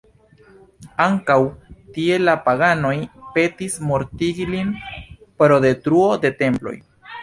Ankaŭ tie la paganoj penis mortigi lin pro detruo de temploj.